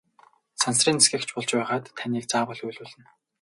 Сансрын нисэгч болж байгаад таныг заавал уйлуулна!